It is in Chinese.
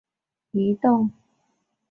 它初时大致向西北偏西移动。